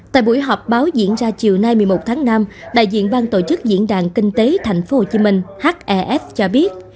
tại buổi họp báo diễn ra chiều nay một mươi một tháng năm đại diện bang tổ chức diễn đàn kinh tế tp hcm h e f cho biết